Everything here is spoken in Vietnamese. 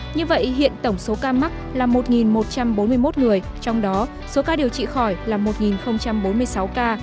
như vậy hiện tổng số ca mắc là một một trăm bốn mươi một người trong đó số ca điều trị khỏi là một bốn mươi sáu ca